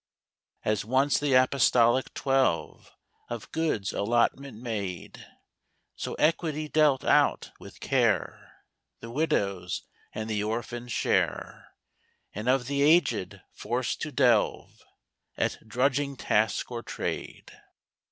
As once the apostolic twelve Of goods allotment made, So equity dealt out with care The widow's and the orphan's share, And of the aged forced to delve At drudging task or trade.